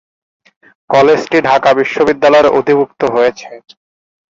কলেজটি ঢাকা বিশ্ববিদ্যালয়ের অধিভুক্ত হয়েছে।